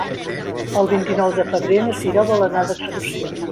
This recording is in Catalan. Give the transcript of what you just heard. El vint-i-nou de febrer na Sira vol anar d'excursió.